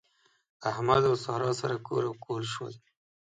احمد او سارا سره کور او کهول شول.